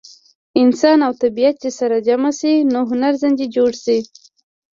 انسان او طبیعت چې سره جمع شي نو هنر ځینې جوړ شي.